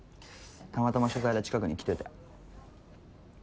たまたま取材で近くに来てて。